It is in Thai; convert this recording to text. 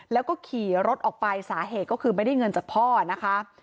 แล้วก็ขี่รถออกไปสาเหตุก็คือไม่ได้เงินจากพ่อนะคะ